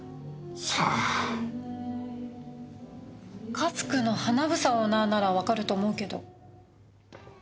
「Ｃａｓｋ」の英オーナーならわかると思うけど。